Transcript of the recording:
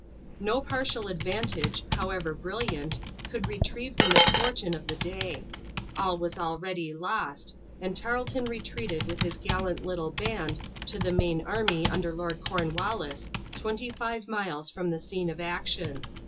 No partial advantage, however brilliant, could retrieve the misfortune of the day. All was already lost, and Tarleton retreated with his gallant little band to the main army under Lord Cornwallis, twenty five miles from the scene of action.